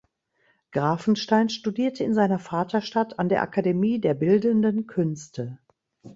Grafenstein studierte in seiner Vaterstadt an der Akademie der bildenden Künste.